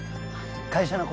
会社の子？